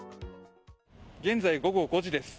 現在、午後５時です。